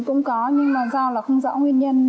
cũng có nhưng mà do là không rõ nguyên nhân